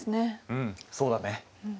うんそうだね。